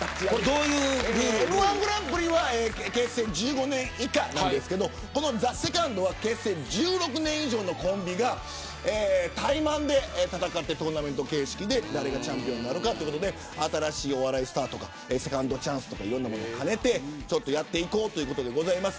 Ｍ‐１グランプリは結成１５年以下なんですけどこのＴＨＥＳＥＣＯＮＤは結成１６年以上のコンビがタイマンで戦ってトーナメント形式で誰がチャンピオンなのか新しいお笑いスターとかセカンドチャンスとかいろんなものを兼ねてやっていこうということでございます。